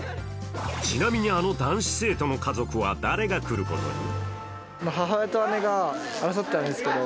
ちなみに、あの男子生徒の家族は誰が来ることに？